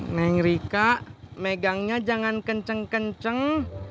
neng rika megangnya jangan kenceng kenceng